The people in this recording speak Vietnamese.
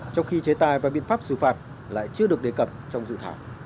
trong khi chế tài và biện pháp xử phạt lại chưa được đề cập trong dự thảo